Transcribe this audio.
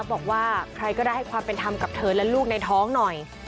บอกว่าใครก็ได้ให้ความเป็นธรรมกับเธอและลูกในท้องหน่อย